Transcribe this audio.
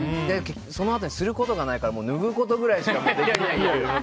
そのあとにすることがないから脱ぐことくらいしかできなくて。